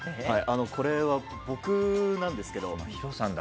これは僕なんですけど。